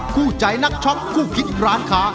คู่ใจนักช็อคคู่คิดร้านค้า